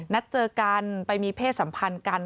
นัดเจอกันไปมีเพศสัมพันธ์กัน